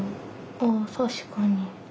あ確かに。